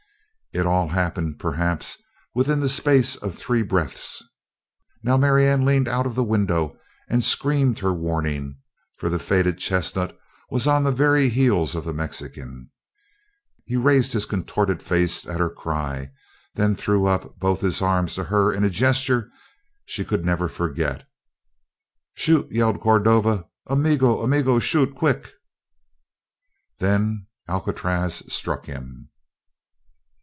It had all happened, perhaps, within the space of three breaths. Now Marianne leaned out of the window and screamed her warning, for the faded chestnut was on the very heels of the Mexican. He raised his contorted face at her cry, then threw up both his arms to her in a gesture she could never forget. "Shoot!" yelled Cordova. "Amigo, amigo, shoot! Quick " Then Alcatraz struck him!